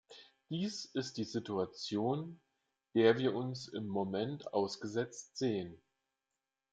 Dies ist die Situation, der wir uns im Moment ausgesetzt sehen.